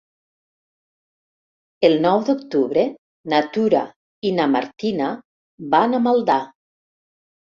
El nou d'octubre na Tura i na Martina van a Maldà.